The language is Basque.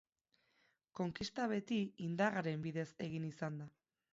Konkista beti indarraren bidez egin izan da.